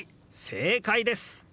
正解です！